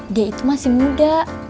dia itu masih muda